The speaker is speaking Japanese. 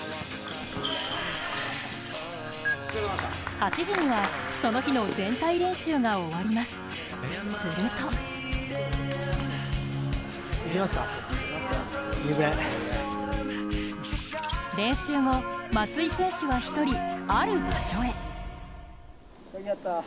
８時には、その日の全体練習が終わります、すると練習後、松井選手は一人ある場所へ。